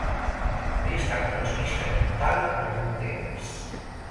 Havia estat pensionista invàlid durant un temps.